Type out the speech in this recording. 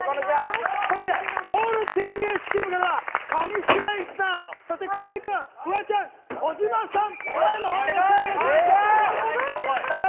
そしてオールＴＢＳチームから上白石さん、そして河合君、フワちゃん、児嶋ちゃん。